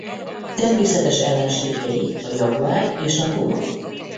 Természetes ellenségei a jaguár és a puma.